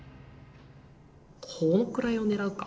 このくらいを狙うか。